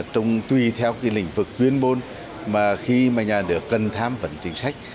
trong tùy theo cái lĩnh vực chuyên môn mà khi mà nhà đứa cần tham vấn chính sách